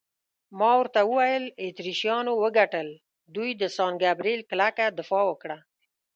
ما ورته وویل: اتریشیانو وګټل، دوی د سان ګبرېل کلکه دفاع وکړه.